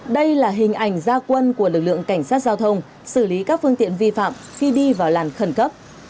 đây là hình ảnh gia quân của lực lượng cảnh sát giao thông xử lý các phương tiện vi phạm khi đi vào làn khẩn cấp